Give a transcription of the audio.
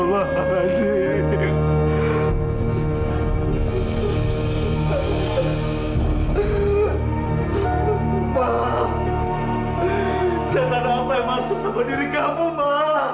ma saya tak ada apa yang masuk sama diri kamu ma